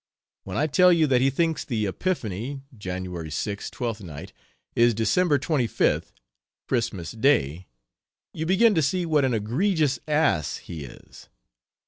When I tell you that he thinks the Epiphany (January 6, Twelfth Night) is December 25th Christmas Day you begin to see what an egregious ass he is.